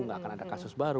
nggak akan ada kasus baru